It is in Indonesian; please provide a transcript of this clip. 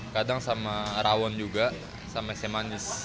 kadang sama rawon juga sama si manis